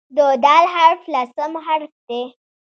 د "د" حرف لسم حرف دی.